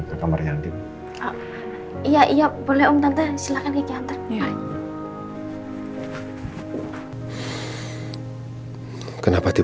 ketek bardzo ramai nih